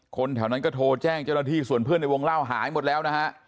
คนแถวนั้นก็โทรแจ้งเจ้าหน้าที่ส่วนเพื่อนในวงเล่าหายหมดแล้วนะฮะ